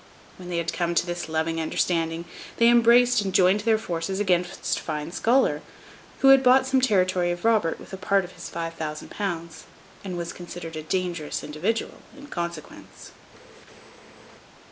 When they had come to this loving understanding, they embraced and joined their forces against Fine Scholar; who had bought some territory of Robert with a part of his five thousand pounds, and was considered a dangerous individual in consequence.